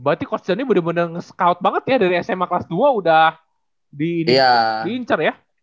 berarti coach dhani bener bener nge scout banget ya dari sma kelas dua udah diincer ya